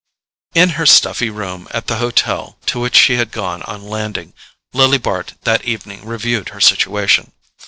In her stuffy room at the hotel to which she had gone on landing, Lily Bart that evening reviewed her situation.